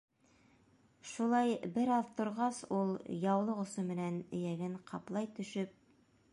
Шулай бер аҙ торғас, ул, яулыҡ осо менән эйәген ҡаплай төшөп: